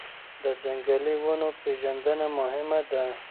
د ځنګلي ونو پېژندنه مهمه ده.